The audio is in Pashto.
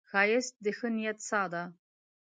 ښایست د ښې نیت ساه ده